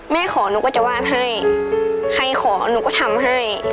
แม่ขอนุก็จะวาดให้ใครขอนุก็ทำให้